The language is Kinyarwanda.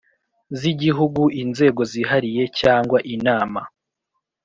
z’Igihugu, Inzego Zihariye cyangwa Inama